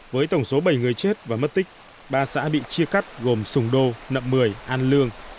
với tổng số bảy người chết và mất tích ba xã bị chia cắt gồm sùng đô nậm mười an lương